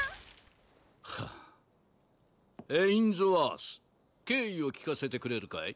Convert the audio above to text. はあエインズワース経緯を聞かせてくれるかい？